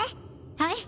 はい。